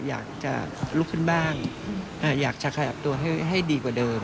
อยากจะลุกขึ้นบ้างอยากจะขยับตัวให้ดีกว่าเดิม